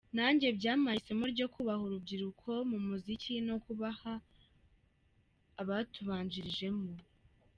Nanjye byampaye isomo ryo kubaha urubyiruko mu muziki no kubaha abatubanjirijemo.